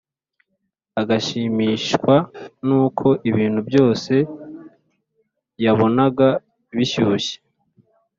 agashimishwa nuko ibintu byose yabonaga bishyushye.